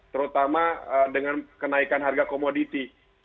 terutama dengan kenaikan harga komoditi